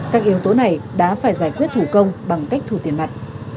các yếu tố này đã phải giải quyết thủ công bằng cách thu tiền mặt